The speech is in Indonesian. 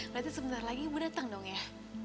berarti sebentar lagi ibu datang dong ya